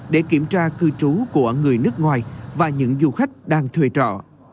để kiểm tra cư trú của người nước ngoài và những du khách đang thuê trọ